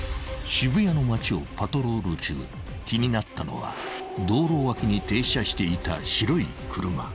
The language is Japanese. ［渋谷の街をパトロール中気になったのは道路脇に停車していた白い車］